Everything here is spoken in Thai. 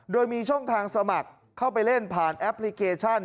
โดยมีช่องทางสมัครเข้าไปเล่นผ่านแอปพลิเคชัน